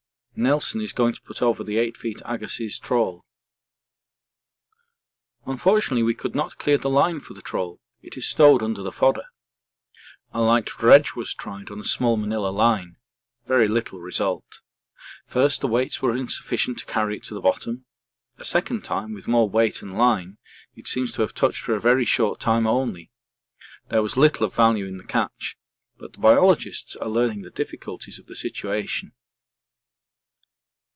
Nelson is going to put over the 8 feet Agassiz trawl. Unfortunately we could not clear the line for the trawl it is stowed under the fodder. A light dredge was tried on a small manilla line very little result. First the weights were insufficient to carry it to the bottom; a second time, with more weight and line, it seems to have touched for a very short time only; there was little of value in the catch, but the biologists are learning the difficulties of the situation.